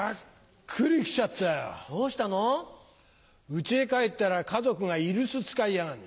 家へ帰ったら家族が居留守使いやがんの。